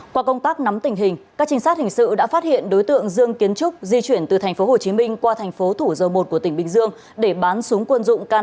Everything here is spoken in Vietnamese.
qua công tác nắm tình hình các trinh sát hình sự đã phát hiện đối tượng dương kiến trúc di chuyển từ tp hcm qua tp thủ dâu một của tỉnh bình dương để bán súng quân dụng k năm mươi bốn